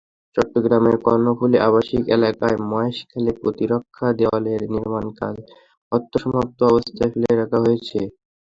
চট্টগ্রামের কর্ণফুলী আবাসিক এলাকায় মহেশখালে প্রতিরক্ষা দেওয়ালের নির্মাণকাজ অর্ধসমাপ্ত অবস্থায় ফেলে রাখা হয়েছে।